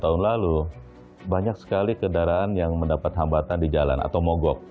tahun lalu banyak sekali kendaraan yang mendapat hambatan di jalan atau mogok